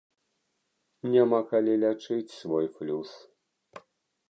Няма калі лячыць свой флюс.